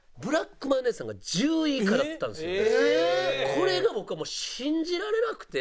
これが僕はもう信じられなくて。